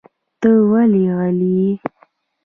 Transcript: ته ولې غلی یې؟